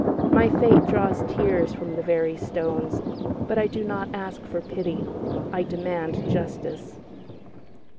My fate should draw tears from the very stones; but I do not ask for pity; I demand justice."